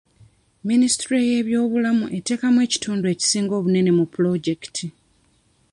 Minisitule y'ebyobulamu eteekamu ekitundu ekisinga obunene mu pulojekiti.